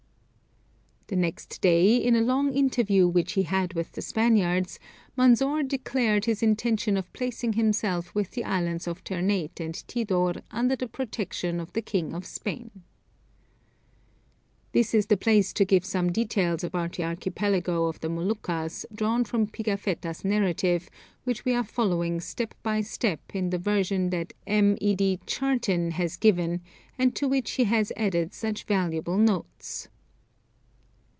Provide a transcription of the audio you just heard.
The next day, in a long interview which he had with the Spaniards, Manzor declared his intention of placing himself with the Islands of Ternate and Tidor under the protection of the king of Spain. [Illustration: The Sultan Manzor.] This is the place to give some details about the Archipelago of the Moluccas, drawn from Pigafetta's narrative, which we are following step by step in the version that M. Ed. Charton has given, and to which he has added such valuable notes.